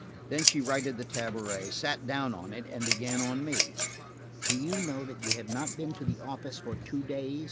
Then she righted the tabouret, sat down on it and began on me. "Do you know that you have not been to the office for two days?"